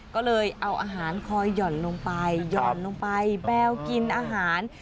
ก็เลยเอาอาหารคอยหย่อนลงไปแมวกินอาหาร